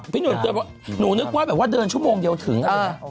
พี่หนุ่มเตือนยังนึกว่าเดินชั่วโมงเดียวถึง